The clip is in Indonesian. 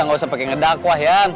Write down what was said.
gak usah pake ngedakwah yaan